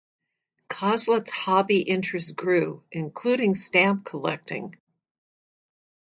Coslet's hobby interests grew, including stamp collecting.